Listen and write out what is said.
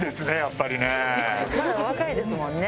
まだお若いですもんね？